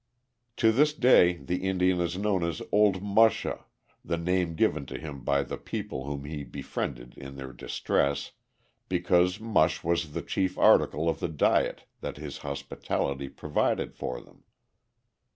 To this day the Indian is known as "Old Musha," the name given to him by the people whom he befriended in their distress, because mush was the chief article of the diet that his hospitality provided for them.